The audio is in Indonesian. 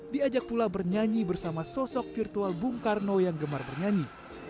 diajak pula bernyanyi bersama sosok virtual bung karno yang gemar bernyanyi